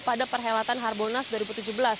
tapi juga banyak yang bergabung